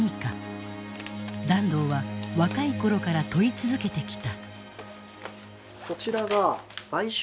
團藤は若い頃から問い続けてきた。